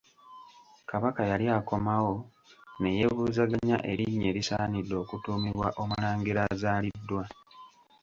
Kabaka yali akomawo, ne yeebuuzaganya erinnya erisaanidde okutuumibwa Omulangira azaaliddwa.